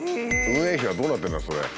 運営費はどうなってるんだ？